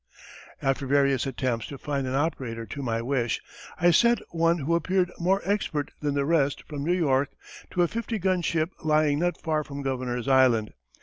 _] After various attempts to find an operator to my wish, I sent one who appeared more expert than the rest from New York to a 50 gun ship lying not far from Governor's Island.